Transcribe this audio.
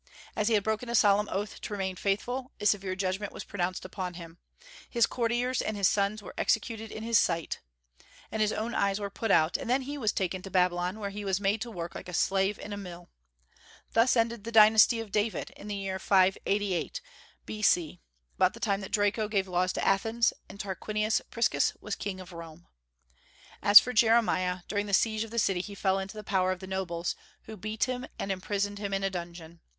As he had broken a solemn oath to remain faithful, a severe judgment was pronounced upon him. His courtiers and his sons were executed in his sight, his own eyes were put out, and then he was taken to Babylon, where he was made to work like a slave in a mill. Thus ended the dynasty of David, in the year 588 B.C., about the time that Draco gave laws to Athens, and Tarquinius Priscus was king of Rome. As for Jeremiah, during the siege of the city he fell into the power of the nobles, who beat him and imprisoned him in a dungeon.